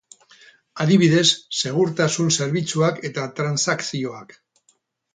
Adibidez, segurtasun zerbitzuak eta transakzioak.